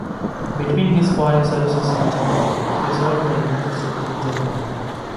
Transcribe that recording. Between his foreign services in Japan, he served the United States in Germany.